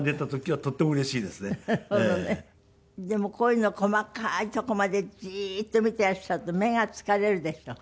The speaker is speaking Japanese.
でもこういうの細かいとこまでじっと見ていらっしゃると目が疲れるでしょ？